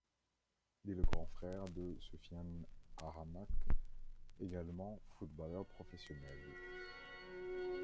Il est le grand fère de Soufyan Ahannach, également footballeur professionnel.